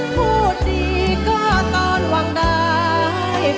พูดดีก็ตอนหวังได้